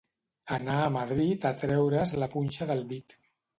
Anar a Madrid a treure's la punxa del dit.